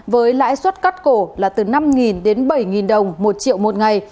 với lãi suất cắt cổ là từ năm đến bảy đồng một triệu một ngày